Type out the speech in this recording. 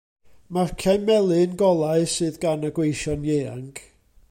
Marciau melyn golau sydd gan y gweision ieuanc.